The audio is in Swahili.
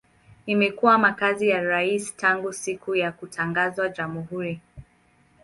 Imekuwa makazi ya rais tangu siku ya kutangaza jamhuri.